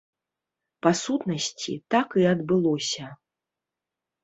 Па сутнасці, так і адбылося.